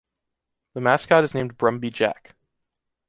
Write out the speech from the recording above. The mascot is named "Brumby Jack".